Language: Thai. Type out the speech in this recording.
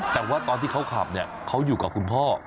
แต่ว่าตอนที่เขาขับเนี่ยเขาอยู่กับคุณพ่อ